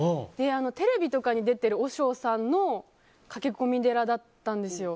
テレビとかに出てる和尚さんの駆け込み寺だったんですよ。